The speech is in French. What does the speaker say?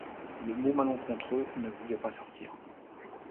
Le mot malencontreux ne voulait pas sortir !